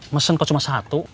mesen kok cuma satu